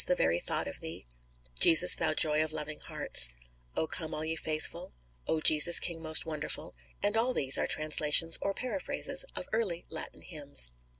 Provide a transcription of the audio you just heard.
the very thought of Thee," "Jesus, Thou joy of loving hearts," "O come, all ye faithful," "O Jesus, King most wonderful;" and all these are translations or paraphrases of early Latin hymns.